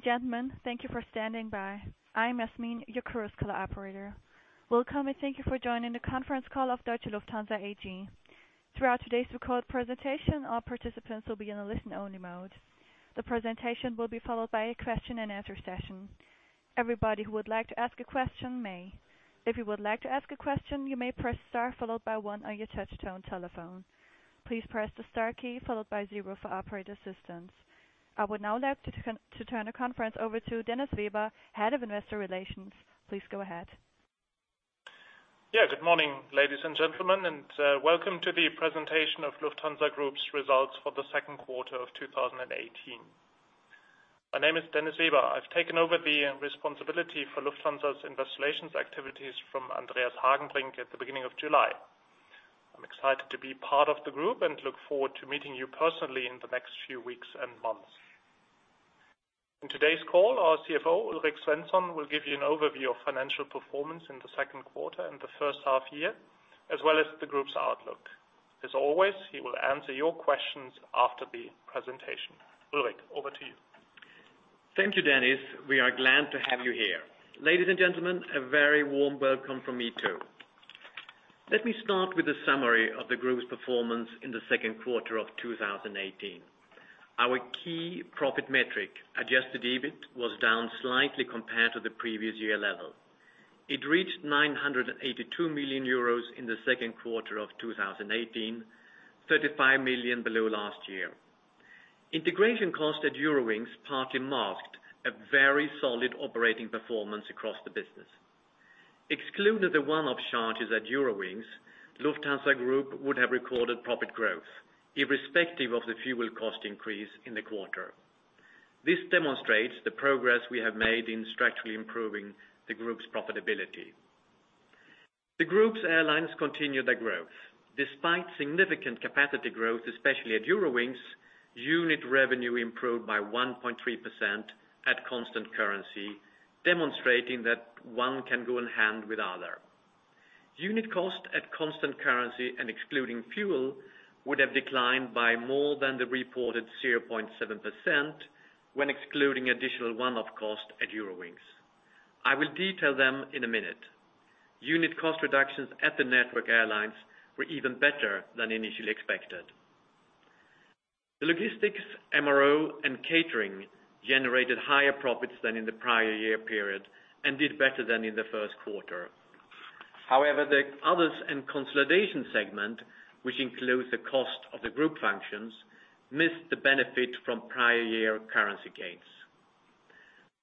Ladies and gentlemen, thank you for standing by. I am Yasmin, your Chorus Call operator. Welcome, and thank you for joining the conference call of Deutsche Lufthansa AG. Throughout today's recorded presentation, all participants will be in a listen-only mode. The presentation will be followed by a question and answer session. Everybody who would like to ask a question may. If you would like to ask a question, you may press star followed by one on your touch-tone telephone. Please press the star key followed by zero for operator assistance. I would now like to turn the conference over to Dennis Weber, Head of Investor Relations. Please go ahead. Good morning, ladies and gentlemen, and welcome to the presentation of Lufthansa Group's results for the second quarter of 2018. My name is Dennis Weber. I have taken over the responsibility for Lufthansa's Investor Relations activities from Andreas Hagenbring at the beginning of July. I am excited to be part of the group and look forward to meeting you personally in the next few weeks and months. In today's call, our CFO, Ulrik Svensson, will give you an overview of financial performance in the second quarter and the first half year, as well as the group's outlook. As always, he will answer your questions after the presentation. Ulrik, over to you. Thank you, Dennis. We are glad to have you here. Ladies and gentlemen, a very warm welcome from me, too. Let me start with a summary of the group's performance in the second quarter of 2018. Our key profit metric, Adjusted EBIT, was down slightly compared to the previous year level. It reached 982 million euros in the second quarter of 2018, 35 million below last year. Integration cost at Eurowings partly masked a very solid operating performance across the business. Excluded the one-off charges at Eurowings, Lufthansa Group would have recorded profit growth irrespective of the fuel cost increase in the quarter. This demonstrates the progress we have made in structurally improving the group's profitability. The group's airlines continue their growth. Despite significant capacity growth, especially at Eurowings, unit revenue improved by 1.3% at constant currency, demonstrating that one can go in hand with the other. Unit cost at constant currency and excluding fuel would have declined by more than the reported 0.7% when excluding additional one-off cost at Eurowings. I will detail them in a minute. Unit cost reductions at the network airlines were even better than initially expected. The logistics, MRO, and catering generated higher profits than in the prior year period and did better than in the first quarter. However, the others and consolidation segment, which includes the cost of the group functions, missed the benefit from prior year currency gains.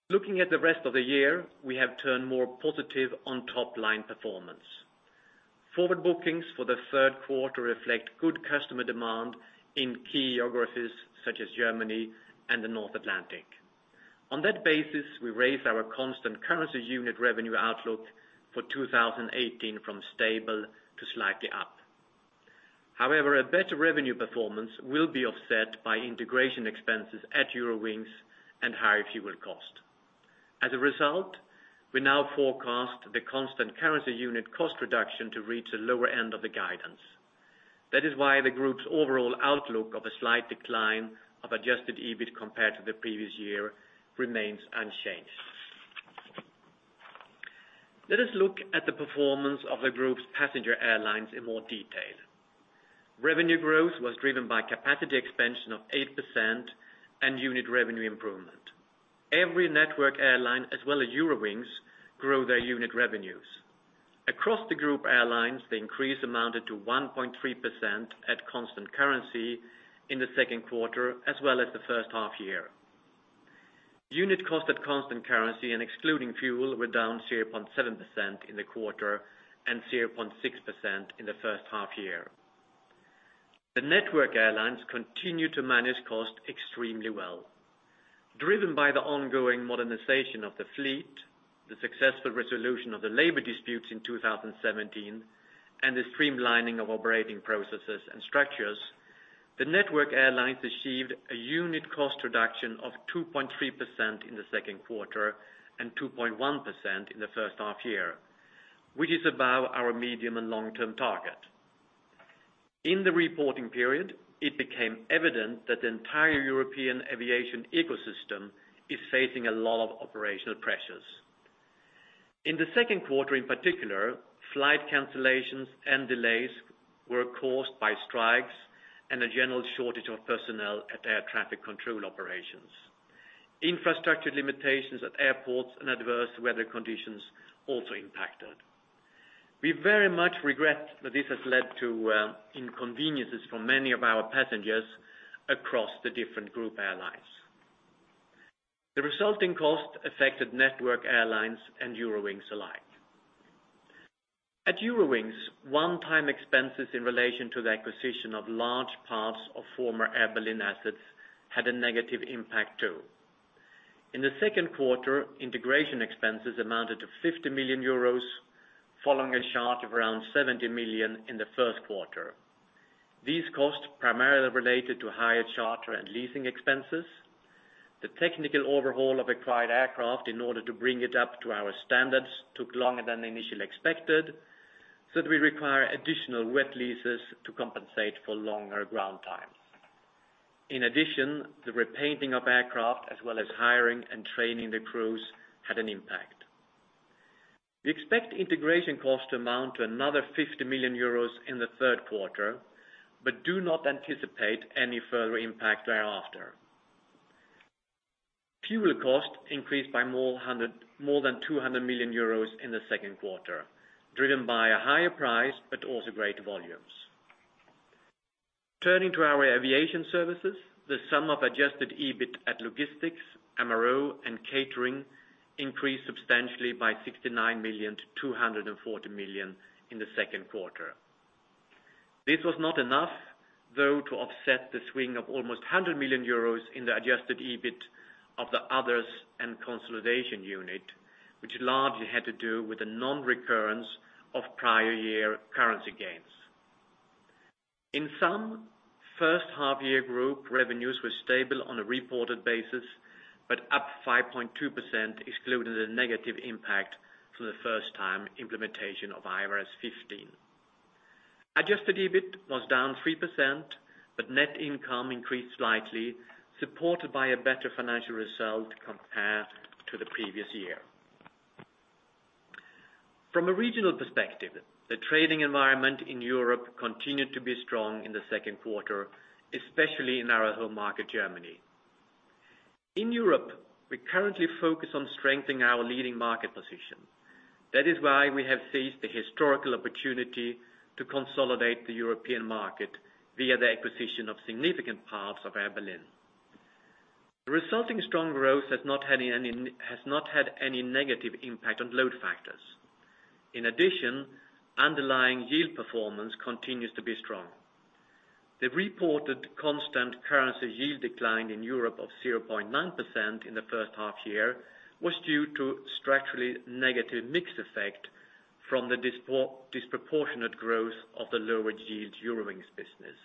Looking at the rest of the year, we have turned more positive on top line performance. Forward bookings for the third quarter reflect good customer demand in key geographies such as Germany and the North Atlantic. On that basis, we raised our constant currency unit revenue outlook for 2018 from stable to slightly up. A better revenue performance will be offset by integration expenses at Eurowings and higher fuel cost. We now forecast the constant currency unit cost reduction to reach the lower end of the guidance. The group's overall outlook of a slight decline of adjusted EBIT compared to the previous year remains unchanged. Let us look at the performance of the group's passenger airlines in more detail. Revenue growth was driven by capacity expansion of 8% and unit revenue improvement. Every network airline, as well as Eurowings, grow their unit revenues. Across the group airlines, the increase amounted to 1.3% at constant currency in the second quarter as well as the first half-year. Unit cost at constant currency and excluding fuel were down 0.7% in the quarter and 0.6% in the first half-year. The network airlines continue to manage cost extremely well. Driven by the ongoing modernization of the fleet, the successful resolution of the labor disputes in 2017, and the streamlining of operating processes and structures, the network airlines achieved a unit cost reduction of 2.3% in the second quarter and 2.1% in the first half-year, which is above our medium and long-term target. In the reporting period, it became evident that the entire European aviation ecosystem is facing a lot of operational pressures. In the second quarter in particular, flight cancellations and delays were caused by strikes and a general shortage of personnel at air traffic control operations. Infrastructure limitations at airports and adverse weather conditions also impacted. We very much regret that this has led to inconveniences for many of our passengers across the different group airlines. The resulting cost affected network airlines and Eurowings alike. At Eurowings, one-time expenses in relation to the acquisition of large parts of former Air Berlin assets had a negative impact, too. In the second quarter, integration expenses amounted to 50 million euros, following a charge of around 70 million in the first quarter. These costs primarily related to higher charter and leasing expenses. The technical overhaul of acquired aircraft in order to bring it up to our standards took longer than initially expected. We require additional wet leases to compensate for longer ground times. The repainting of aircraft, as well as hiring and training the crews, had an impact. We expect integration costs to amount to another 50 million euros in the third quarter, but do not anticipate any further impact thereafter. Fuel costs increased by more than 200 million euros in the second quarter, driven by a higher price, but also great volumes. Turning to our aviation services, the sum of adjusted EBIT at logistics, MRO, and catering increased substantially by 69 million to 240 million in the second quarter. This was not enough, though, to offset the swing of almost 100 million euros in the adjusted EBIT of the others and consolidation unit, which largely had to do with the non-recurrence of prior year currency gains. First half-year group revenues were stable on a reported basis, but up 5.2% excluding the negative impact from the first time implementation of IFRS 15. Adjusted EBIT was down 3%, but net income increased slightly, supported by a better financial result compared to the previous year. The trading environment in Europe continued to be strong in the second quarter, especially in our home market, Germany. We currently focus on strengthening our leading market position. That is why we have seized the historical opportunity to consolidate the European market via the acquisition of significant parts of Air Berlin. The resulting strong growth has not had any negative impact on load factors. In addition, underlying yield performance continues to be strong. The reported constant currency yield decline in Europe of 0.9% in the first half year was due to structurally negative mix effect from the disproportionate growth of the lower yield Eurowings business.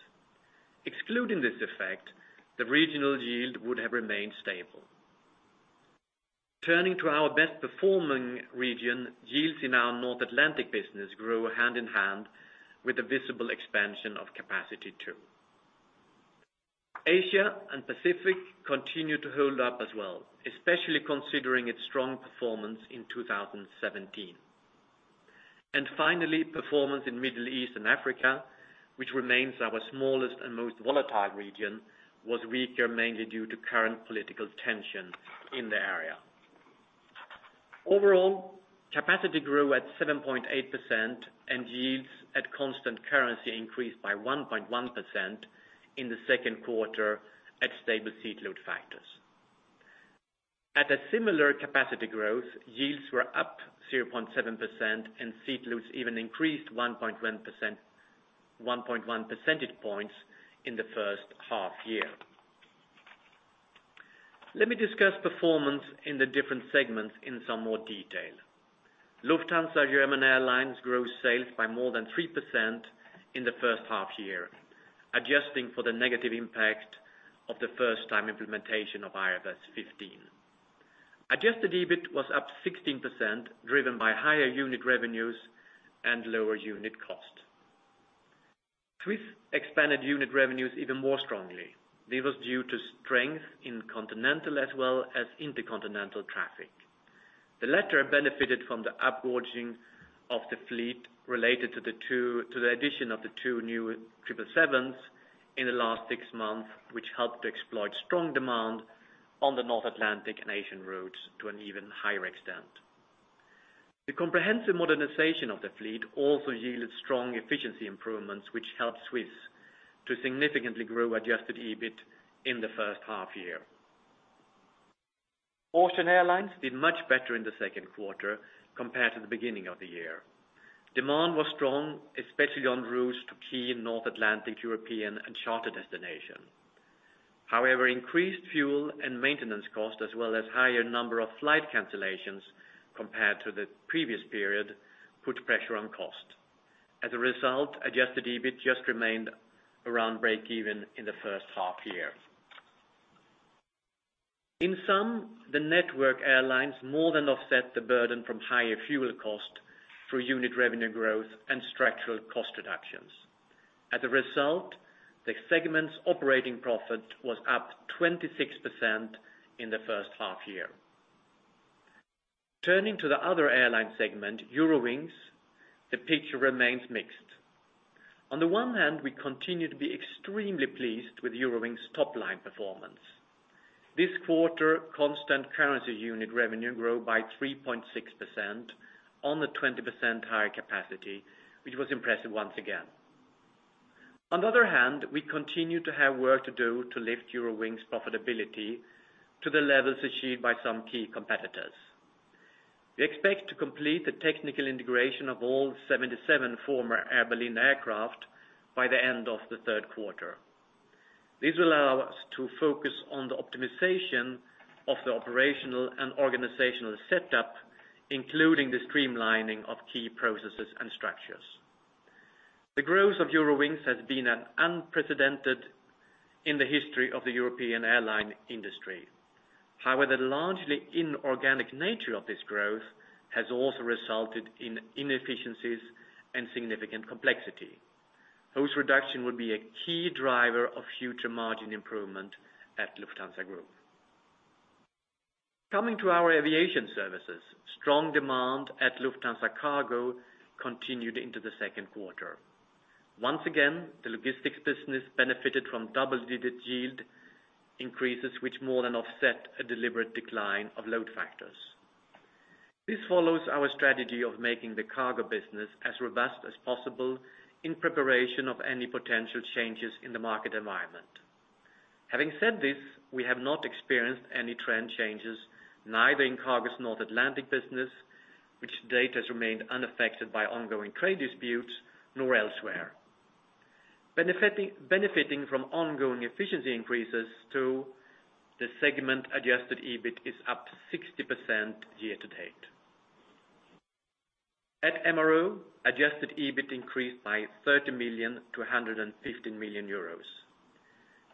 Excluding this effect, the regional yield would have remained stable. Turning to our best performing region, yields in our North Atlantic business grew hand in hand with the visible expansion of capacity too. Asia and Pacific continued to hold up as well, especially considering its strong performance in 2017. Finally, performance in Middle East and Africa, which remains our smallest and most volatile region, was weaker mainly due to current political tension in the area. Overall, capacity grew at 7.8% and yields at constant currency increased by 1.1% in the second quarter at stable seat load factors. At a similar capacity growth, yields were up 0.7% and seat loads even increased 1.1 percentage points in the first half year. Let me discuss performance in the different segments in some more detail. Lufthansa German Airlines grew sales by more than 3% in the first half year, adjusting for the negative impact of the first-time implementation of IFRS 15. Adjusted EBIT was up 16%, driven by higher unit revenues and lower unit cost. Swiss expanded unit revenues even more strongly. This was due to strength in continental as well as intercontinental traffic. The latter benefited from the upgauging of the fleet related to the addition of the two new 777s in the last six months, which helped to exploit strong demand on the North Atlantic and Asian routes to an even higher extent. The comprehensive modernization of the fleet also yielded strong efficiency improvements, which helped Swiss to significantly grow Adjusted EBIT in the first half year. Austrian Airlines did much better in the second quarter compared to the beginning of the year. Demand was strong, especially on routes to key North Atlantic, European, and charter destinations. However, increased fuel and maintenance costs, as well as higher number of flight cancellations compared to the previous period, put pressure on cost. As a result, Adjusted EBIT just remained around break even in the first half year. In sum, the Network Airlines more than offset the burden from higher fuel costs through unit revenue growth and structural cost reductions. As a result, the segment's operating profit was up 26% in the first half year. Turning to the other airline segment, Eurowings, the picture remains mixed. On the one hand, we continue to be extremely pleased with Eurowings' top-line performance. This quarter, constant currency unit revenue grew by 3.6% on the 20% higher capacity, which was impressive once again. On the other hand, we continue to have work to do to lift Eurowings' profitability to the levels achieved by some key competitors. We expect to complete the technical integration of all 77 former Air Berlin aircraft by the end of the third quarter. This will allow us to focus on the optimization of the operational and organizational setup, including the streamlining of key processes and structures. The growth of Eurowings has been unprecedented in the history of the European airline industry. However, the largely inorganic nature of this growth has also resulted in inefficiencies and significant complexity. Whose reduction would be a key driver of future margin improvement at Lufthansa Group. Coming to our aviation services, strong demand at Lufthansa Cargo continued into the second quarter. Once again, the logistics business benefited from double-digit yield increases, which more than offset a deliberate decline of load factors. This follows our strategy of making the cargo business as robust as possible in preparation of any potential changes in the market environment. Having said this, we have not experienced any trend changes, neither in cargo's North Atlantic business, which to date has remained unaffected by ongoing trade disputes, nor elsewhere. Benefiting from ongoing efficiency increases too, the segment Adjusted EBIT is up 60% year to date. At MRO, Adjusted EBIT increased by 30 million to 150 million euros.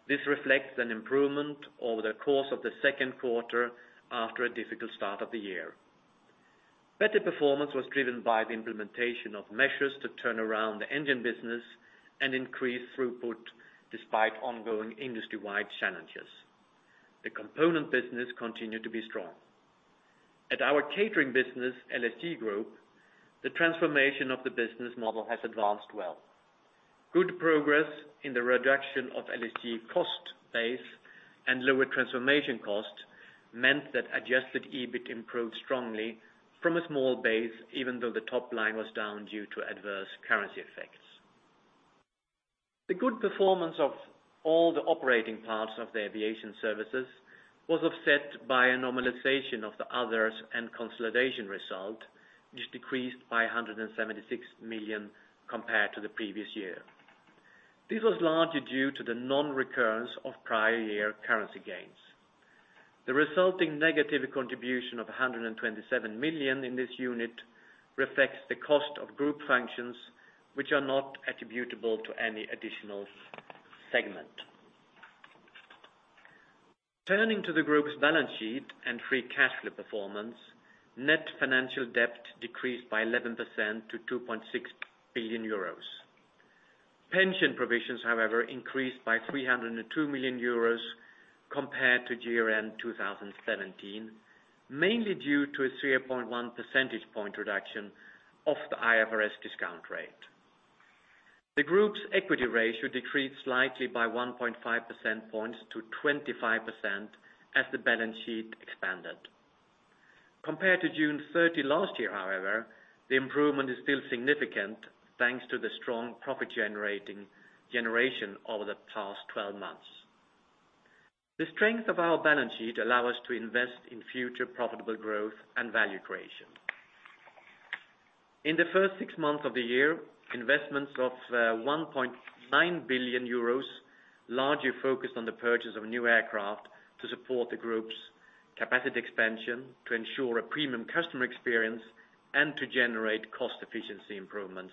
This reflects an improvement over the course of the second quarter, after a difficult start of the year. Better performance was driven by the implementation of measures to turn around the engine business and increase throughput, despite ongoing industry-wide challenges. The component business continued to be strong. At our catering business, LSG Group, the transformation of the business model has advanced well. Good progress in the reduction of LSG cost base and lower transformation cost meant that Adjusted EBIT improved strongly from a small base, even though the top line was down due to adverse currency effects. The good performance of all the operating parts of the aviation services was offset by a normalization of the others and consolidation result, which decreased by 176 million compared to the previous year. This was largely due to the non-recurrence of prior year currency gains. The resulting negative contribution of 127 million in this unit reflects the cost of group functions, which are not attributable to any additional segment. Turning to the group's balance sheet and free cash flow performance, net financial debt decreased by 11% to 2.6 billion euros. Pension provisions, however, increased by 302 million euros compared to year-end 2017, mainly due to a 3.1 percentage point reduction of the IFRS discount rate. The group's equity ratio decreased slightly by 1.5 percentage points to 25% as the balance sheet expanded. Compared to June 30 last year, however, the improvement is still significant, thanks to the strong profit generation over the past 12 months. The strength of our balance sheet allow us to invest in future profitable growth and value creation. In the first six months of the year, investments of 1.9 billion euros largely focused on the purchase of new aircraft to support the group's capacity expansion, to ensure a premium customer experience, and to generate cost efficiency improvements,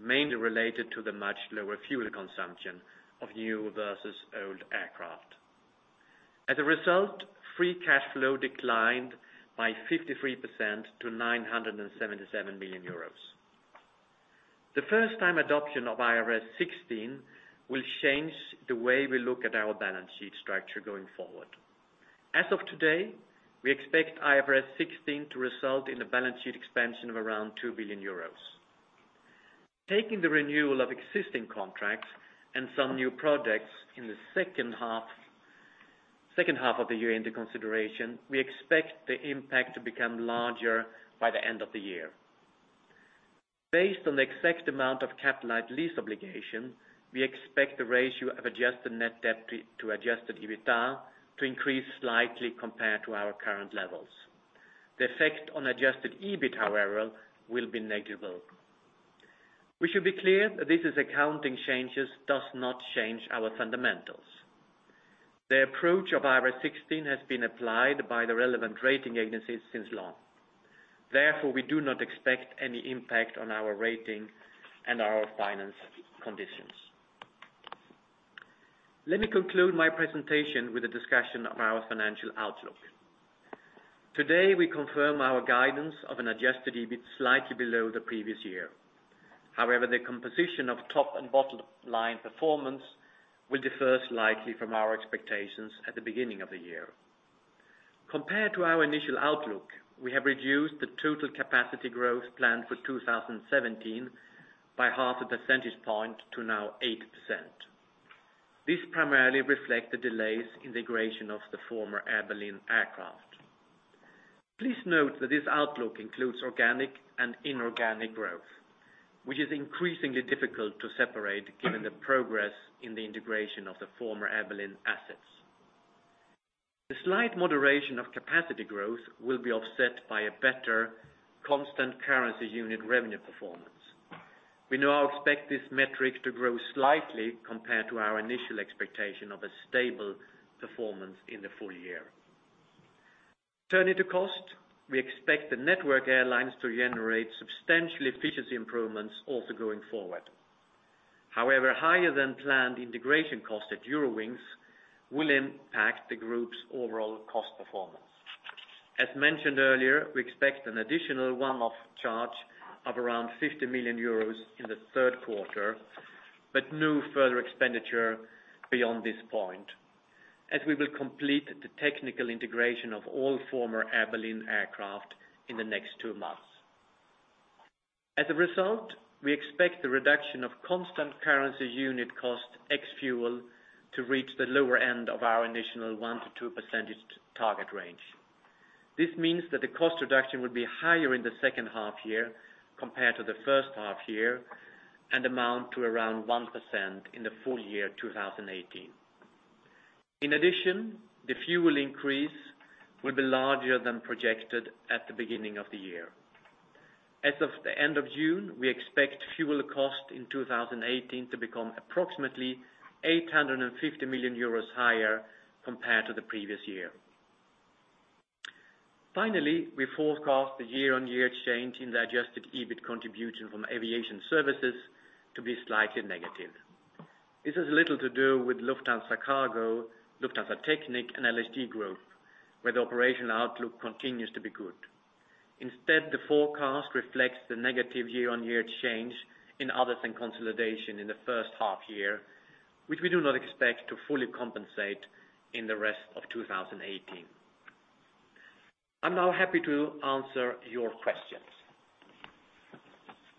mainly related to the much lower fuel consumption of new versus old aircraft. As a result, free cash flow declined by 53% to 977 million euros. The first time adoption of IFRS 16 will change the way we look at our balance sheet structure going forward. As of today, we expect IFRS 16 to result in a balance sheet expansion of around 2 billion euros. Taking the renewal of existing contracts and some new projects in the second half of the year into consideration, we expect the impact to become larger by the end of the year. Based on the exact amount of capitalized lease obligation, we expect the ratio of adjusted net debt to adjusted EBITDA to increase slightly compared to our current levels. The effect on adjusted EBIT, however, will be negligible. We should be clear that this accounting change does not change our fundamentals. The approach of IFRS 16 has been applied by the relevant rating agencies since long. Therefore, we do not expect any impact on our rating and our finance conditions. Let me conclude my presentation with a discussion of our financial outlook. Today, we confirm our guidance of an adjusted EBIT slightly below the previous year. However, the composition of top and bottom line performance will differ slightly from our expectations at the beginning of the year. Compared to our initial outlook, we have reduced the total capacity growth planned for 2017 by half a percentage point to now 8%. This primarily reflects the delays in the integration of the former Air Berlin aircraft. Please note that this outlook includes organic and inorganic growth, which is increasingly difficult to separate given the progress in the integration of the former Air Berlin assets. The slight moderation of capacity growth will be offset by a better constant currency unit revenue performance. We now expect this metric to grow slightly compared to our initial expectation of a stable performance in the full year. Turning to cost, we expect the network airlines to generate substantial efficiency improvements also going forward. However, higher than planned integration cost at Eurowings will impact the group's overall cost performance. As mentioned earlier, we expect an additional one-off charge of around 50 million euros in the third quarter, but no further expenditure beyond this point, as we will complete the technical integration of all former Air Berlin aircraft in the next two months. As a result, we expect the reduction of constant currency unit cost, ex fuel, to reach the lower end of our initial 1%-2% target range. This means that the cost reduction would be higher in the second half year compared to the first half year and amount to around 1% in the full year 2018. In addition, the fuel increase will be larger than projected at the beginning of the year. As of the end of June, we expect fuel cost in 2018 to become approximately 850 million euros higher compared to the previous year. Finally, we forecast the year-on-year change in the adjusted EBIT contribution from aviation services to be slightly negative. This has little to do with Lufthansa Cargo, Lufthansa Technik, and LSG Group, where the operational outlook continues to be good. Instead, the forecast reflects the negative year-on-year change in other than consolidation in the first half year, which we do not expect to fully compensate in the rest of 2018. I'm now happy to answer your questions.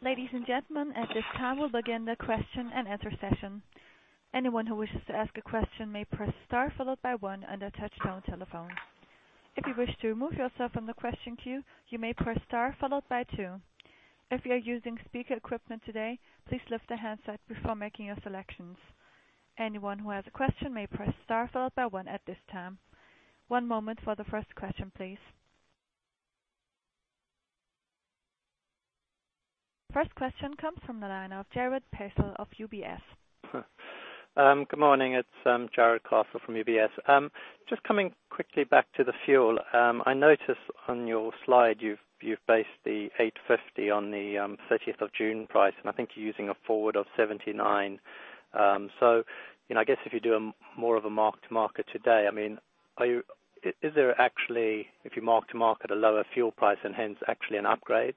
Ladies and gentlemen, at this time, we'll begin the question and answer session. Anyone who wishes to ask a question may press star followed by one on their touchtone telephone. If you wish to remove yourself from the question queue, you may press star followed by two. If you are using speaker equipment today, please lift the handset before making your selections. Anyone who has a question may press star followed by one at this time. One moment for the first question, please. First question comes from the line of Jarrod Castle of UBS. Good morning. It's Jarrod Castle from UBS. Just coming quickly back to the fuel. I noticed on your slide you've based the 850 on the 30th of June price, and I think you're using a forward of 79. I guess if you do more of a mark to market today, if you mark to market, a lower fuel price and hence actually an upgrade?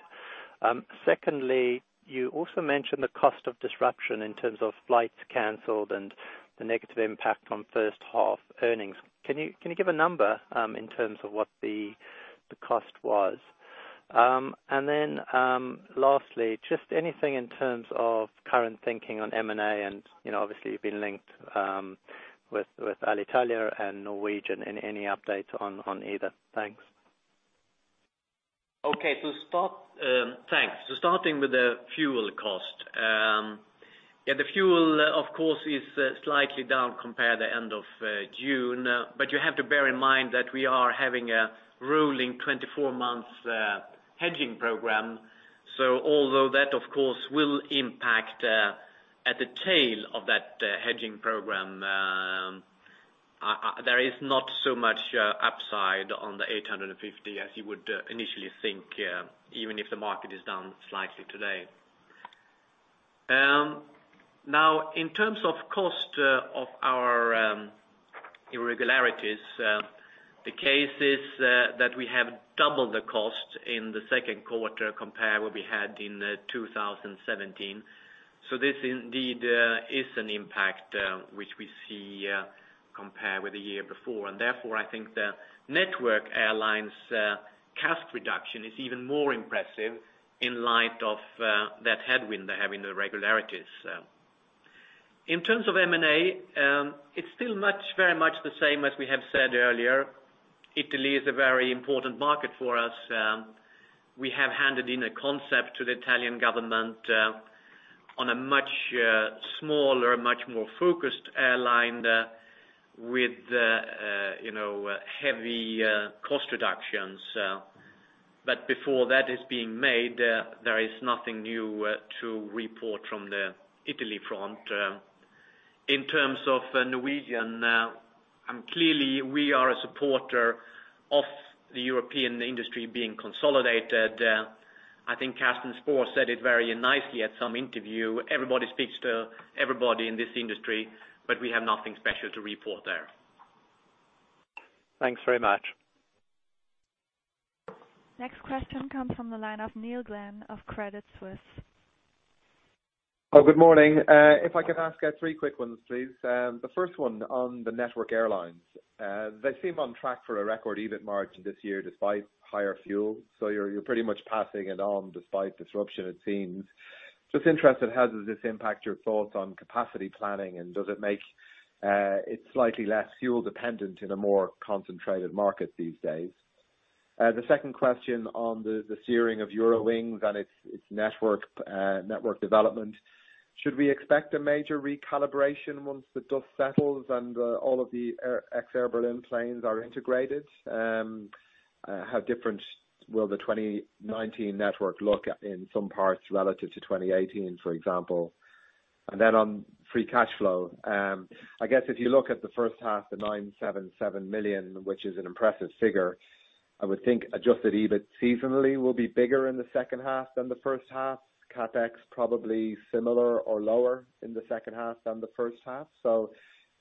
Secondly, you also mentioned the cost of disruption in terms of flights canceled and the negative impact on first half earnings. Can you give a number in terms of what the cost was? Lastly, just anything in terms of current thinking on M&A and obviously you've been linked with Alitalia and Norwegian and any update on either? Thanks. Okay. Thanks. Starting with the fuel cost. The fuel, of course, is slightly down compared to end of June, but you have to bear in mind that we are having a rolling 24 months hedging program. Although that, of course, will impact at the tail of that hedging program, there is not so much upside on the 850 as you would initially think, even if the market is down slightly today. Now, in terms of cost of our irregularities, the case is that we have doubled the cost in the second quarter compared what we had in 2017. This indeed is an impact, which we see compared with the year before. Therefore, I think the network airlines cost reduction is even more impressive in light of that headwind they have in the regularities. In terms of M&A, it's still very much the same as we have said earlier. Italy is a very important market for us. We have handed in a concept to the Italian government on a much smaller, much more focused airline with heavy cost reductions. Before that is being made, there is nothing new to report from the Italy front. In terms of Norwegian, clearly we are a supporter of the European industry being consolidated. I think Carsten Spohr said it very nicely at some interview. Everybody speaks to everybody in this industry, we have nothing special to report there. Thanks very much. Next question comes from the line of Neil Glynn of Credit Suisse. Good morning. If I could ask three quick ones, please. The first one on the network airlines. They seem on track for a record EBIT margin this year despite higher fuel. You're pretty much passing it on despite disruption, it seems. Just interested, how does this impact your thoughts on capacity planning? Does it make it slightly less fuel dependent in a more concentrated market these days? The second question on the steering of Eurowings and its network development. Should we expect a major recalibration once the dust settles and all of the ex-Air Berlin planes are integrated? How different will the 2019 network look in some parts relative to 2018, for example? On free cash flow. I guess if you look at the first half, the 977 million, which is an impressive figure, I would think adjusted EBIT seasonally will be bigger in the second half than the first half. CapEx probably similar or lower in the second half than the first half. I'm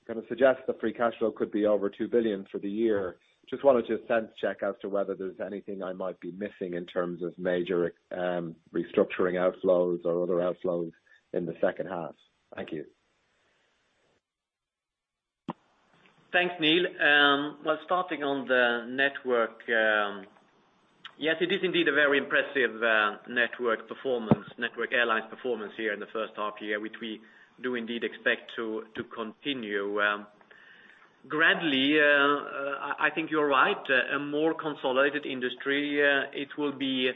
going to suggest the free cash flow could be over 2 billion for the year. Just wanted to sense check as to whether there's anything I might be missing in terms of major restructuring outflows or other outflows in the second half. Thank you. Starting on the network. Yes, it is indeed a very impressive network performance, network airlines performance here in the first half year, which we do indeed expect to continue. Gradually, I think you're right. A more consolidated industry, it will be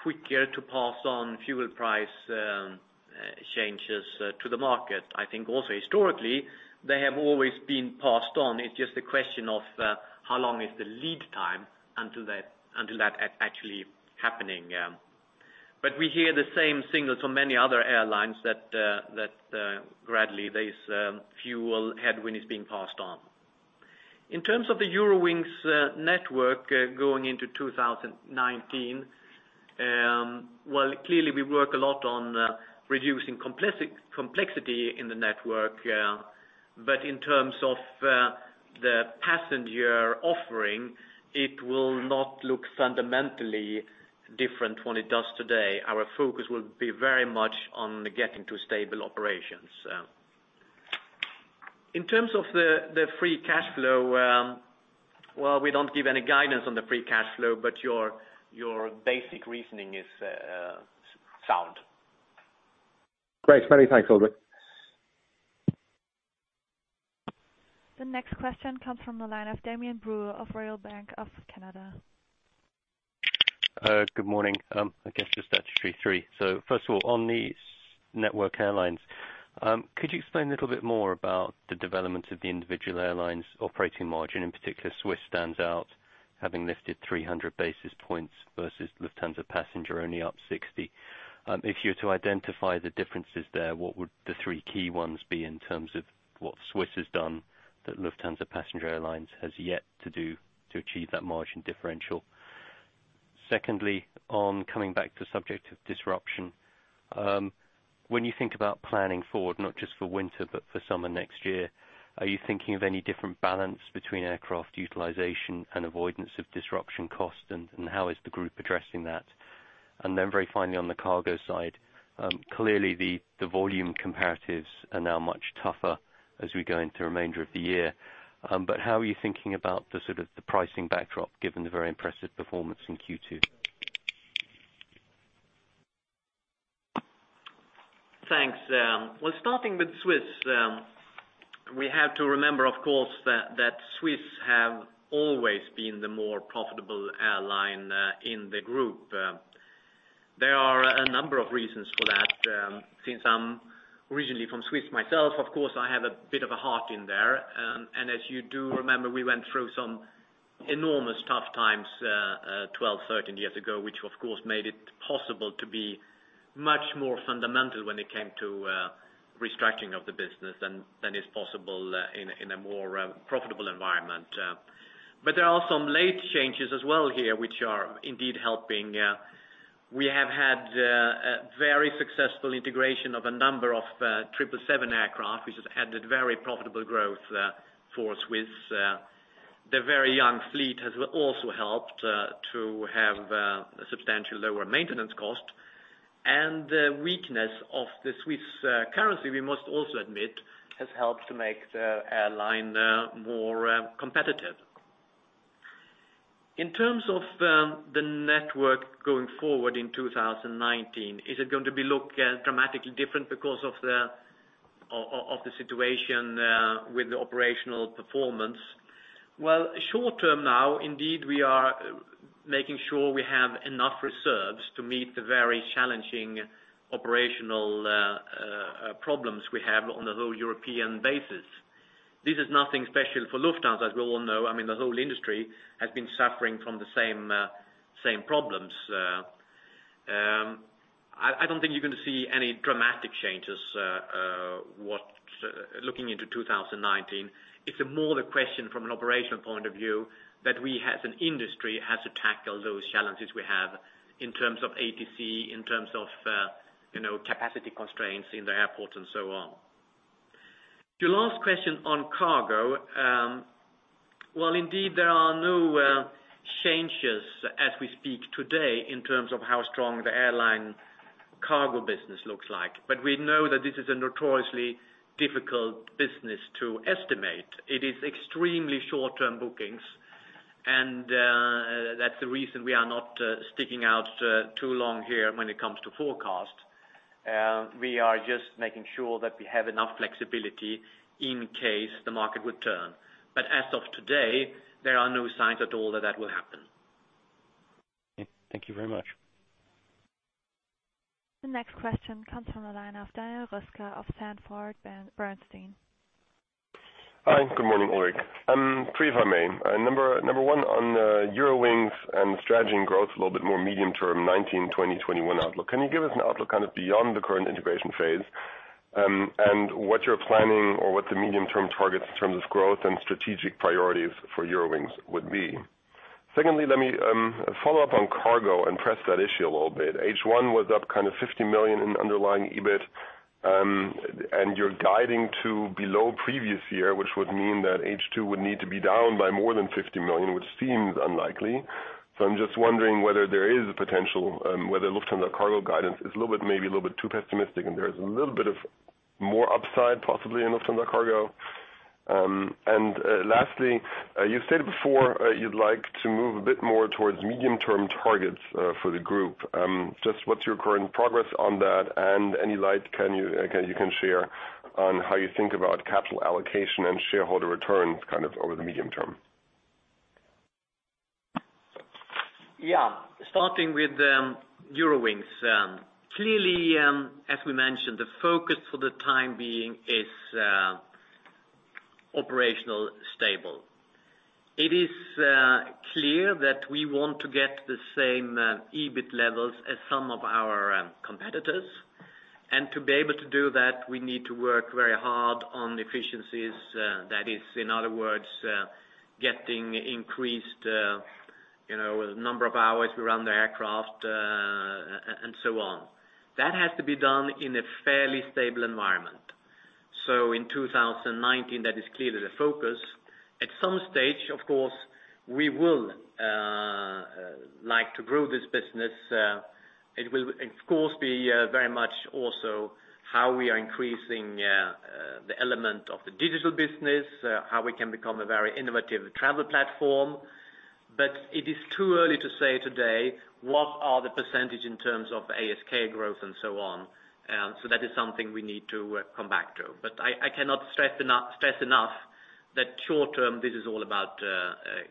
quicker to pass on fuel price changes to the market. I think also historically they have always been passed on. It's just a question of how long is the lead time until that actually happening. We hear the same signals from many other airlines that gradually this fuel headwind is being passed on. In terms of the Eurowings network going into 2019, clearly we work a lot on reducing complexity in the network. In terms of the passenger offering, it will not look fundamentally different than it does today. Our focus will be very much on getting to stable operations. In terms of the free cash flow, we don't give any guidance on the free cash flow, your basic reasoning is sound. Great. Many thanks, Ulrich. The next question comes from the line of Damien Brewer of Royal Bank of Canada. Good morning. I guess just statutory three. First of all, on these network airlines, could you explain a little bit more about the development of the individual airlines operating margin? In particular, Swiss stands out, having lifted 300 basis points versus Lufthansa passenger only up 60. If you were to identify the differences there, what would the three key ones be in terms of what Swiss has done that Lufthansa passenger airlines has yet to do to achieve that margin differential? Secondly, on coming back to the subject of disruption. When you think about planning forward, not just for winter but for summer next year, are you thinking of any different balance between aircraft utilization and avoidance of disruption cost, and how is the group addressing that? Very finally, on the cargo side. Clearly the volume comparatives are now much tougher as we go into the remainder of the year. How are you thinking about the pricing backdrop, given the very impressive performance in Q2? Thanks. Well, starting with Swiss. We have to remember, of course, that Swiss have always been the more profitable airline in the group. There are a number of reasons for that. Since I'm originally from Swiss myself, of course, I have a bit of a heart in there. As you do remember, we went through some enormous tough times 12, 13 years ago, which of course, made it possible to be much more fundamental when it came to restructuring of the business than is possible in a more profitable environment. There are some late changes as well here, which are indeed helping. We have had a very successful integration of a number of 777 aircraft, which has added very profitable growth for Swiss. The very young fleet has also helped to have a substantial lower maintenance cost, and the weakness of the Swiss currency, we must also admit, has helped to make the airline more competitive. In terms of the network going forward in 2019, is it going to be look dramatically different because of the situation with the operational performance? Well, short term now, indeed, we are making sure we have enough reserves to meet the very challenging operational problems we have on the whole European basis. This is nothing special for Lufthansa as we all know. The whole industry has been suffering from the same problems. I don't think you're going to see any dramatic changes looking into 2019. It's more the question from an operational point of view that we as an industry has to tackle those challenges we have in terms of ATC, in terms of capacity constraints in the airports and so on. Your last question on cargo. Well, indeed, there are no changes as we speak today in terms of how strong the airline cargo business looks like. We know that this is a notoriously difficult business to estimate. It is extremely short-term bookings, and that's the reason we are not sticking out too long here when it comes to forecast. We are just making sure that we have enough flexibility in case the market would turn. As of today, there are no signs at all that that will happen. Okay. Thank you very much. The next question comes from the line of Daniel Röska of Sanford Bernstein. Hi, good morning, Ulrik. Three if I may. Number one, on Eurowings and strategy and growth, a little bit more medium-term 2019, 2020, 2021 outlook. Can you give us an outlook beyond the current integration phase, and what you're planning or what the medium term targets in terms of growth and strategic priorities for Eurowings would be? Secondly, let me follow up on cargo and press that issue a little bit. H1 was up 50 million in underlying EBIT, and you're guiding to below previous year, which would mean that H2 would need to be down by more than 50 million, which seems unlikely. I'm just wondering whether there is a potential, whether Lufthansa Cargo guidance is maybe a little bit too pessimistic, and there is a little bit of more upside possibly in Lufthansa Cargo. Lastly, you've said before, you'd like to move a bit more towards medium-term targets for the group. Just what's your current progress on that? Any light you can share on how you think about capital allocation and shareholder returns over the medium term? Starting with Eurowings. Clearly, as we mentioned, the focus for the time being is operational stable. It is clear that we want to get the same EBIT levels as some of our competitors, and to be able to do that, we need to work very hard on efficiencies. That is, in other words, getting increased number of hours we run the aircraft, and so on. That has to be done in a fairly stable environment. In 2019, that is clearly the focus. At some stage, of course, we will like to grow this business. It will, of course, be very much also how we are increasing the element of the digital business, how we can become a very innovative travel platform. It is too early to say today what are the % in terms of ASK growth and so on. That is something we need to come back to. I cannot stress enough that short term, this is all about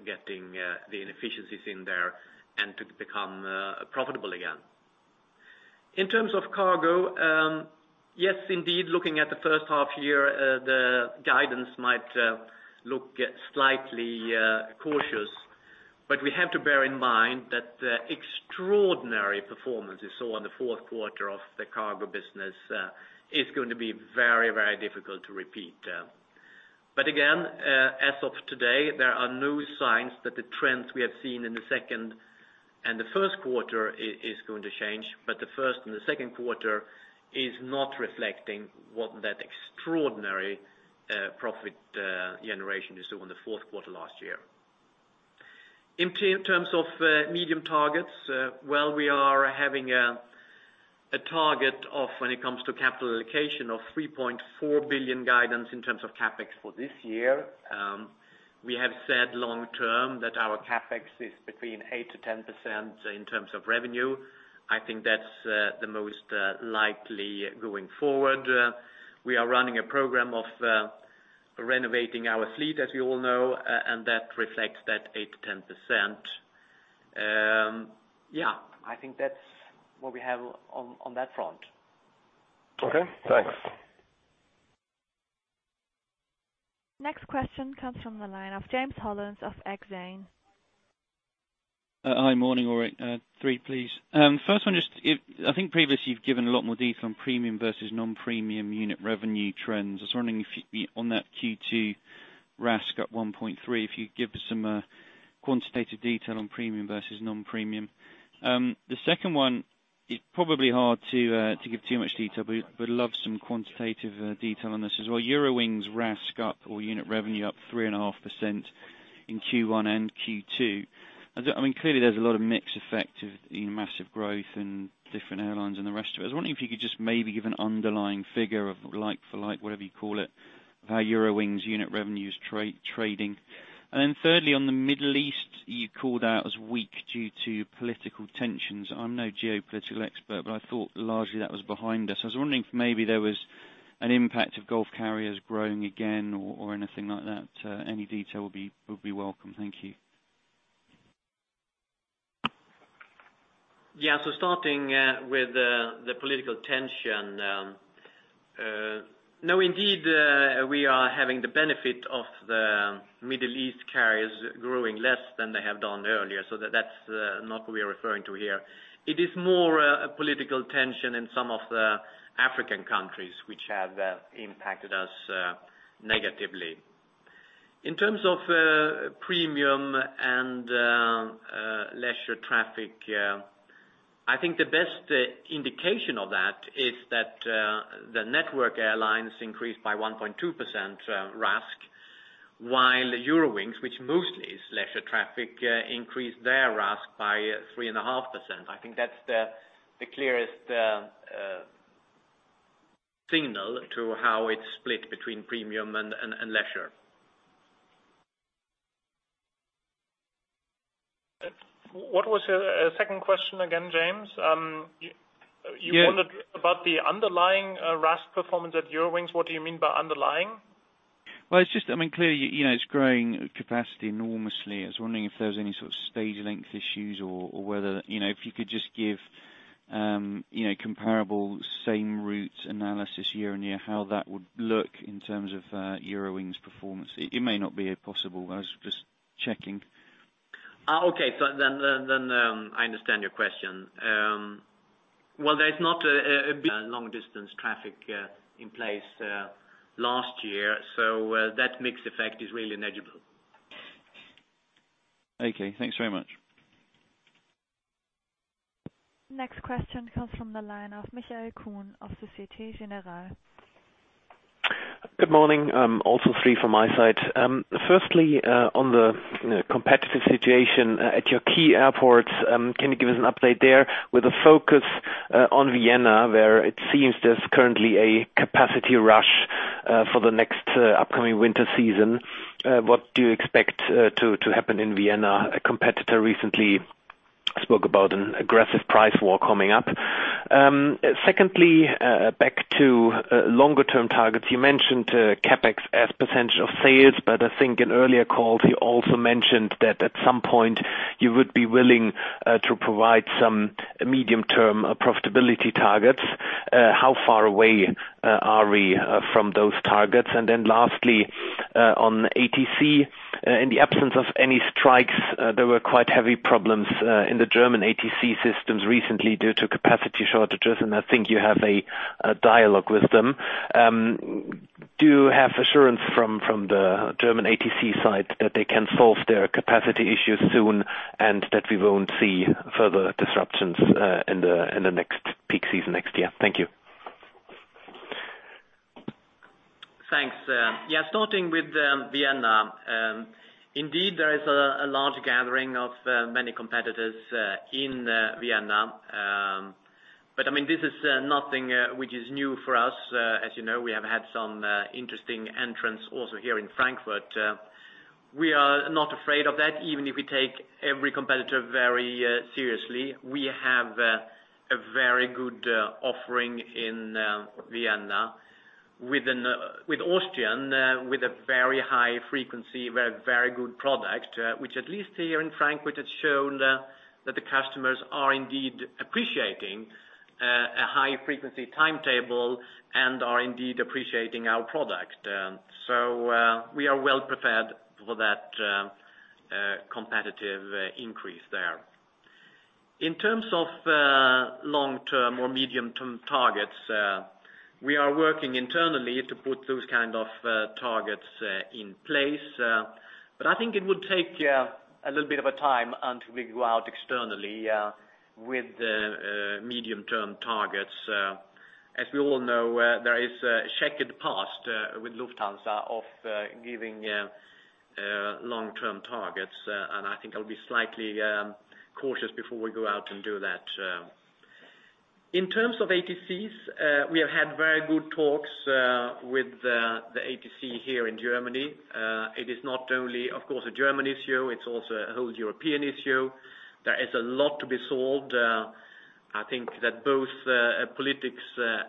getting the inefficiencies in there and to become profitable again. In terms of cargo, yes, indeed, looking at the first half year, the guidance might look slightly cautious. We have to bear in mind that the extraordinary performance we saw on the fourth quarter of the cargo business, is going to be very difficult to repeat. Again, as of today, there are no signs that the trends we have seen in the second and the first quarter is going to change. The first and the second quarter is not reflecting what that extraordinary profit generation you saw in the fourth quarter last year. In terms of medium targets, we are having a target of when it comes to capital allocation of 3.4 billion guidance in terms of CapEx for this year. We have said long term that our CapEx is between 8%-10% in terms of revenue. I think that's the most likely going forward. We are running a program of renovating our fleet, as you all know, and that reflects that 8%-10%. I think that's what we have on that front. Okay, thanks. Next question comes from the line of James Hollins of Exane. Hi. Morning, Ulrik. Three, please. First one, I think previously you've given a lot more detail on premium versus non-premium unit revenue trends. I was wondering if on that Q2 RASK up 1.3, if you could give us some quantitative detail on premium versus non-premium. The second one, it's probably hard to give too much detail, but would love some quantitative detail on this as well. Eurowings RASK up or unit revenue up 3.5% in Q1 and Q2. Clearly, there's a lot of mix effect of massive growth and different airlines and the rest of it. I was wondering if you could just maybe give an underlying figure of like for like, whatever you call it, of how Eurowings unit revenue is trading. Thirdly, on the Middle East, you called out as weak due to political tensions. I thought largely that was behind us. I was wondering if maybe there was an impact of Gulf carriers growing again or anything like that. Any detail would be welcome. Thank you. Starting with the political tension. Indeed, we are having the benefit of the Middle East carriers growing less than they have done earlier. That's not what we are referring to here. It is more a political tension in some of the African countries which have impacted us negatively. In terms of premium and leisure traffic, I think the best indication of that is that the network airlines increased by 1.2% RASK, while Eurowings, which mostly is leisure traffic, increased their RASK by 3.5%. I think that's the clearest signal to how it's split between premium and leisure. What was your second question again, James? Yeah. You wondered about the underlying RASK performance at Eurowings. What do you mean by underlying? Clearly, it's growing capacity enormously. I was wondering if there was any sort of stage length issues or whether, if you could just give comparable same route analysis year-on-year, how that would look in terms of Eurowings performance? It may not be possible. I was just checking. Okay. I understand your question. Well, there's not a big long-distance traffic in place last year, so that mix effect is really negligible. Okay. Thanks very much. Next question comes from the line of Michael Kuhn of Société Générale. Good morning. Also three from my side. Firstly, on the competitive situation at your key airports, can you give us an update there with a focus on Vienna, where it seems there's currently a capacity rush for the next upcoming winter season? What do you expect to happen in Vienna? A competitor recently spoke about an aggressive price war coming up. Secondly, back to longer term targets. You mentioned CapEx as % of sales, but I think in earlier calls you also mentioned that at some point you would be willing to provide some medium-term profitability targets. How far away are we from those targets? Lastly, on ATC. In the absence of any strikes, there were quite heavy problems in the German ATC systems recently due to capacity shortages, and I think you have a dialogue with them. Do you have assurance from the German ATC side that they can solve their capacity issues soon and that we won't see further disruptions in the next peak season next year? Thank you. Thanks. Yeah, starting with Vienna. Indeed, there is a large gathering of many competitors in Vienna. This is nothing which is new for us. As you know, we have had some interesting entrants also here in Frankfurt. We are not afraid of that, even if we take every competitor very seriously. We have a very good offering in Vienna with Austrian, with a very high frequency, very good product, which at least here in Frankfurt, has shown that the customers are indeed appreciating a high-frequency timetable and are indeed appreciating our product. We are well prepared for that competitive increase there. In terms of long-term or medium-term targets, we are working internally to put those kind of targets in place. I think it would take a little bit of a time until we go out externally with medium-term targets. As we all know, there is a checkered past with Lufthansa of giving long-term targets. I think I'll be slightly cautious before we go out and do that. In terms of ATCs, we have had very good talks with the ATC here in Germany. It is not only, of course, a German issue, it's also a whole European issue. There is a lot to be solved. I think that both politics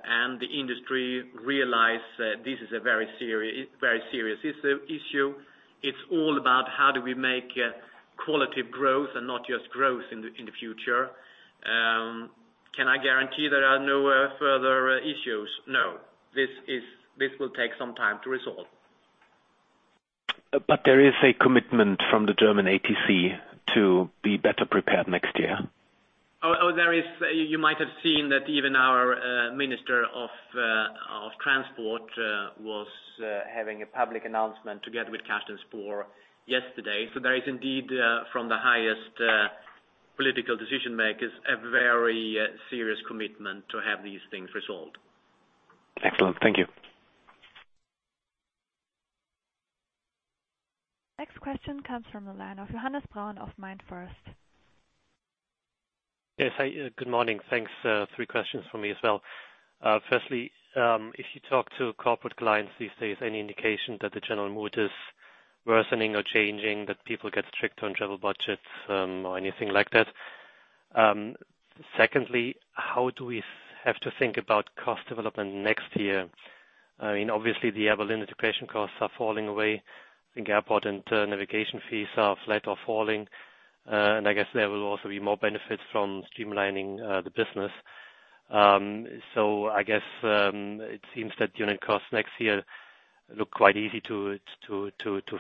and the industry realize that this is a very serious issue. It's all about how do we make quality growth and not just growth in the future. Can I guarantee there are no further issues? No. This will take some time to resolve. There is a commitment from the German ATC to be better prepared next year? Oh, there is. You might have seen that even our Minister of Transport was having a public announcement together with yesterday. There is indeed, from the highest political decision makers, a very serious commitment to have these things resolved. Excellent. Thank you. Next question comes from the line of Johannes Braun of MainFirst. Yes. Good morning. Thanks. Three questions from me as well. Firstly, if you talk to corporate clients these days, any indication that the general mood is worsening or changing, that people get strict on travel budgets, or anything like that? Secondly, how do we have to think about cost development next year? Obviously the airline integration costs are falling away. I think airport and navigation fees are flat or falling. I guess there will also be more benefits from streamlining the business. I guess it seems that unit costs next year look quite easy to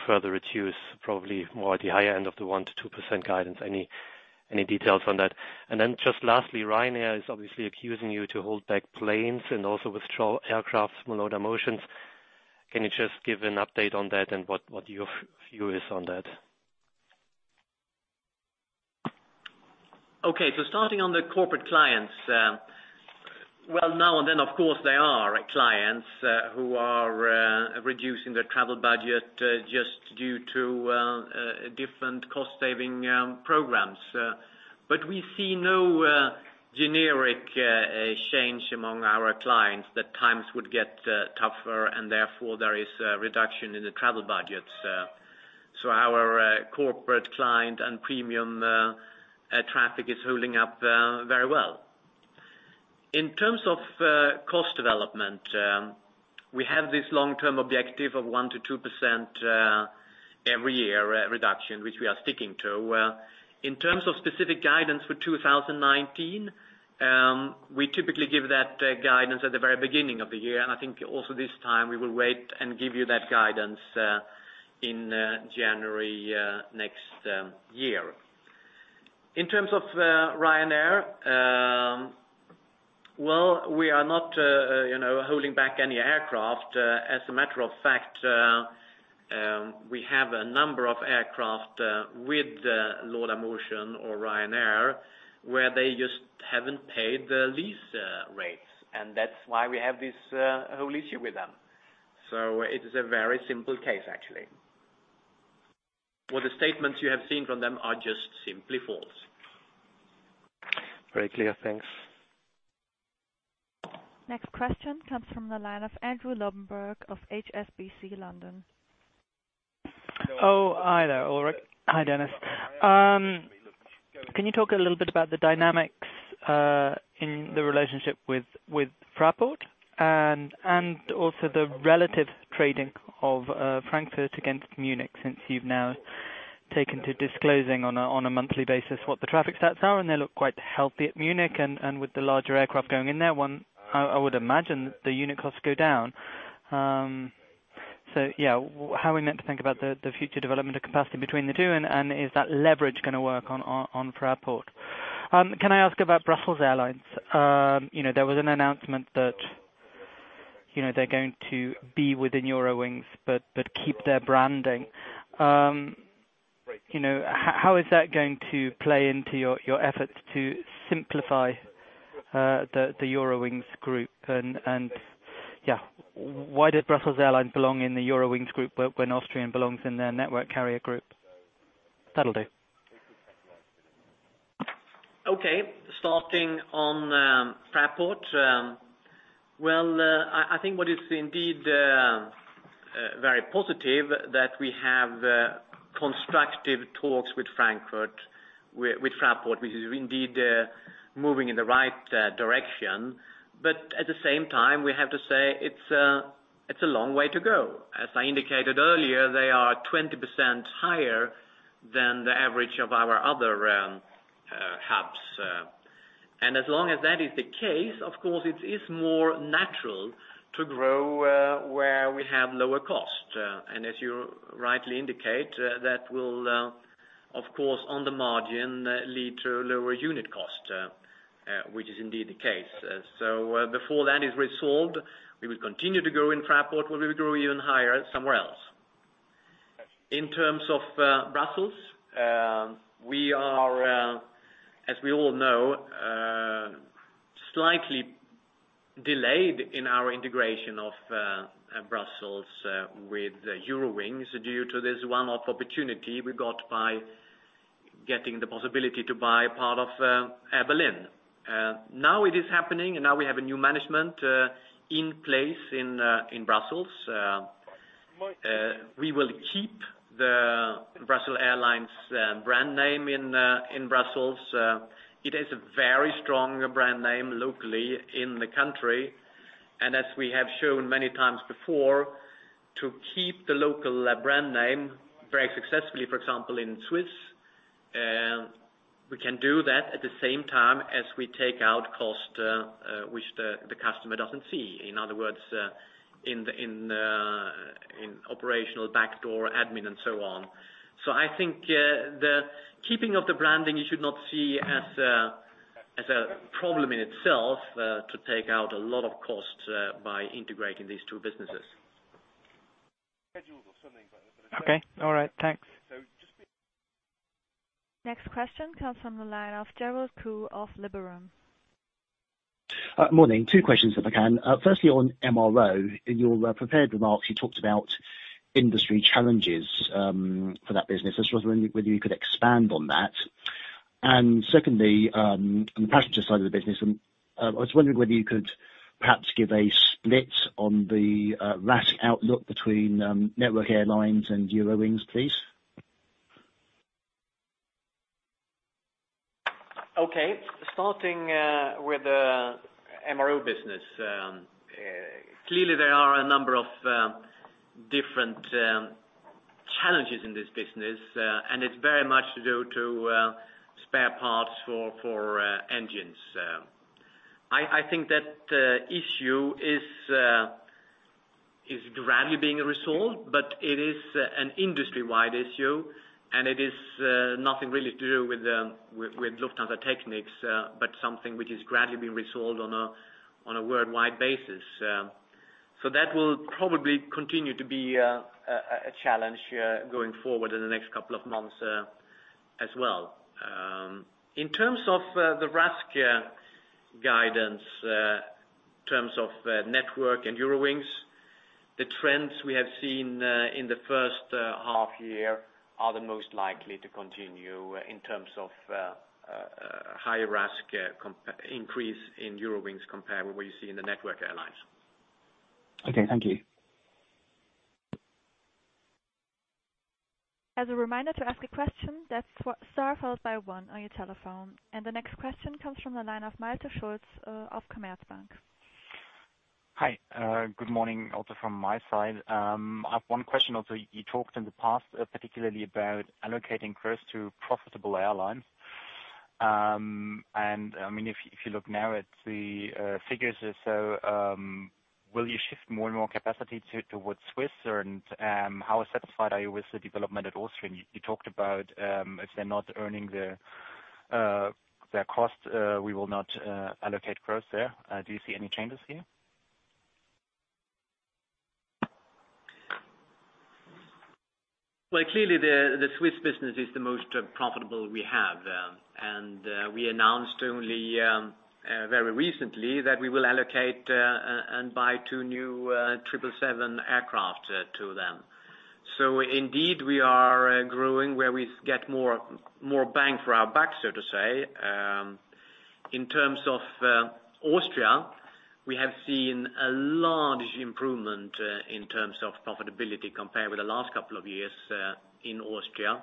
further reduce, probably more at the higher end of the 1%-2% guidance. Any details on that? Just lastly, Ryanair is obviously accusing you to hold back planes and also withdraw aircraft from Laudamotion. Can you just give an update on that and what your view is on that? Starting on the corporate clients. Well now and then, of course, there are clients who are reducing their travel budget just due to different cost saving programs. We see no generic change among our clients that times would get tougher and therefore there is a reduction in the travel budgets. Our corporate client and premium traffic is holding up very well. In terms of cost development, we have this long-term objective of 1% to 2% every year reduction, which we are sticking to. In terms of specific guidance for 2019, we typically give that guidance at the very beginning of the year, and I think also this time we will wait and give you that guidance in January next year. In terms of Ryanair, well, we are not holding back any aircraft. As a matter of fact, we have a number of aircraft with Laudamotion or Ryanair where they just haven't paid the lease rates, and that's why we have this whole issue with them. It is a very simple case, actually. What the statements you have seen from them are just simply false. Very clear. Thanks. Next question comes from the line of Andrew Lobbenberg of HSBC London. Oh, hi there, Ulrik. Hi, Dennis. Can you talk a little bit about the dynamics in the relationship with Fraport and also the relative trading of Frankfurt against Munich, since you've now taken to disclosing on a monthly basis what the traffic stats are, and they look quite healthy at Munich, and with the larger aircraft going in there, I would imagine the unit costs go down. Yeah, how are we meant to think about the future development of capacity between the two, and is that leverage going to work on Fraport? Can I ask about Brussels Airlines? There was an announcement that they're going to be within Eurowings but keep their branding. How is that going to play into your efforts to simplify the Eurowings group? Why did Brussels Airlines belong in the Eurowings group when Austrian belongs in the Network Carrier group? That'll do. Okay. Starting on Fraport. Well, I think what is indeed very positive that we have constructive talks with Frankfurt, with Fraport, which is indeed moving in the right direction. At the same time, we have to say it's a long way to go. As I indicated earlier, they are 20% higher than the average of our other hubs. As long as that is the case, of course, it is more natural to grow where we have lower cost. As you rightly indicate, that will, of course, on the margin, lead to lower unit cost, which is indeed the case. Before that is resolved, we will continue to grow in Fraport, but we will grow even higher somewhere else. In terms of Brussels, we are, as we all know, slightly delayed in our integration of Brussels with Eurowings due to this one-off opportunity we got by getting the possibility to buy part of Air Berlin. Now it is happening, now we have a new management in place in Brussels. We will keep the Brussels Airlines brand name in Brussels. It is a very strong brand name locally in the country, as we have shown many times before, to keep the local brand name very successfully, for example, in Swiss, we can do that at the same time as we take out cost, which the customer doesn't see. In other words, in operational backdoor admin and so on. I think the keeping of the branding, you should not see as a problem in itself to take out a lot of costs by integrating these two businesses. Okay. All right. Thanks. Next question comes from the line of Gerald Khoo of Liberum. Morning. Two questions, if I can. Firstly, on MRO. In your prepared remarks, you talked about industry challenges for that business. I just wonder whether you could expand on that. Secondly, on the passenger side of the business, I was wondering whether you could perhaps give a split on the RASK outlook between Network Airlines and Eurowings, please. Okay. Starting with the MRO business. Clearly there are a number of different challenges in this business, and it's very much due to spare parts for engines. I think that issue is gradually being resolved, but it is an industry-wide issue, and it is nothing really to do with Lufthansa Technik, but something which is gradually being resolved on a worldwide basis. That will probably continue to be a challenge going forward in the next couple of months as well. In terms of the RASK guidance, in terms of Network and Eurowings, the trends we have seen in the first half year are the most likely to continue in terms of higher RASK increase in Eurowings compared with what you see in the Network Airlines. Okay, thank you. As a reminder to ask a question, that's star followed by one on your telephone. The next question comes from the line of Malte Schulz of Commerzbank. Hi, good morning also from my side. I have one question also. You talked in the past particularly about allocating growth to profitable airlines. If you look now at the figures or so, will you shift more and more capacity towards Swiss and how satisfied are you with the development at Austrian? You talked about if they're not earning their cost, we will not allocate growth there. Do you see any changes here? Well, clearly the Swiss business is the most profitable we have. We announced only very recently that we will allocate and buy two new 777 aircraft to them. Indeed we are growing where we get more bang for our buck, so to say. In terms of Austria, we have seen a large improvement in terms of profitability compared with the last couple of years in Austria.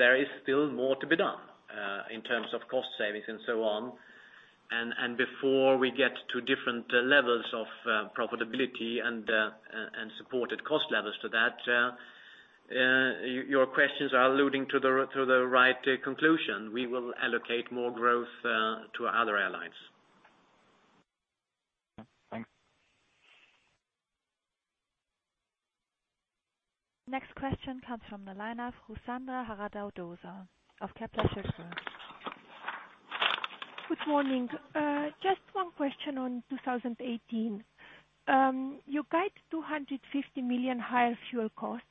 There is still more to be done in terms of cost savings and so on. Before we get to different levels of profitability and supported cost levels to that, your questions are alluding to the right conclusion. We will allocate more growth to other airlines. Thanks. Next question comes from the line of Ruxandra Haradau-Doser of Kepler Cheuvreux. Good morning. Just one question on 2018. You guide 250 million higher fuel costs.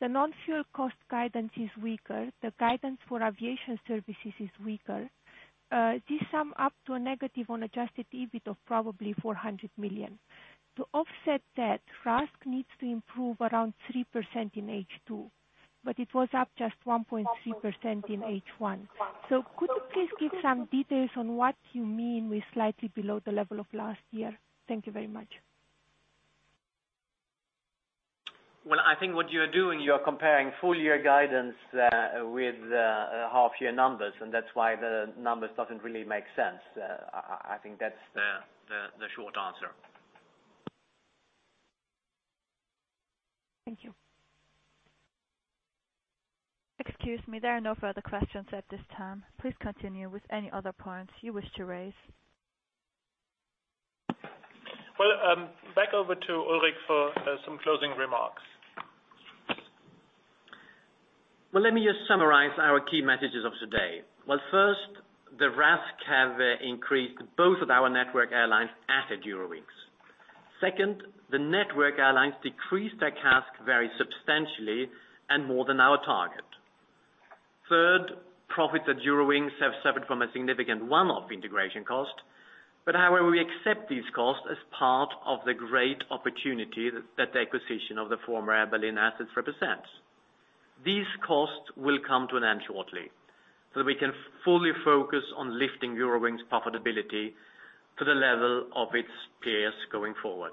The non-fuel cost guidance is weaker. The guidance for aviation services is weaker. These sum up to a negative on Adjusted EBIT of probably 400 million. To offset that, RASK needs to improve around 3% in H2, but it was up just 1.3% in H1. Could you please give some details on what you mean with slightly below the level of last year? Thank you very much. Well, I think what you're doing, you're comparing full year guidance with half year numbers, and that's why the numbers doesn't really make sense. I think that's the short answer. Thank you. Excuse me, there are no further questions at this time. Please continue with any other points you wish to raise. Well, back over to Ulrich for some closing remarks. Well, let me just summarize our key messages of today. Well, first, the RASK have increased both of our network airlines at Eurowings. Second, the network airlines decreased their CASK very substantially and more than our target. Third, profits at Eurowings have suffered from a significant one-off integration cost. However, we accept these costs as part of the great opportunity that the acquisition of the former Air Berlin assets represents. These costs will come to an end shortly, that we can fully focus on lifting Eurowings' profitability to the level of its peers going forward.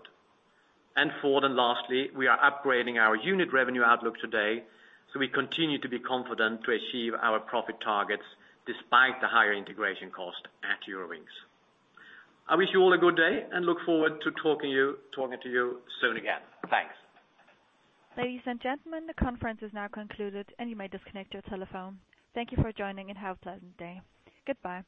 Fourth and lastly, we are upgrading our unit revenue outlook today, we continue to be confident to achieve our profit targets despite the higher integration cost at Eurowings. I wish you all a good day and look forward to talking to you soon again. Thanks. Ladies and gentlemen, the conference is now concluded and you may disconnect your telephone. Thank you for joining and have a pleasant day. Goodbye.